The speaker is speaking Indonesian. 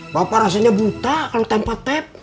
bapak rasanya buta kalo tempat tep